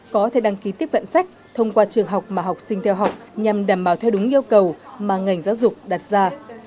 có thể đăng ký tiếp cận sách thông qua trường học mà học sinh theo học nhằm đảm bảo theo đúng yêu cầu mà ngành giáo dục đặt ra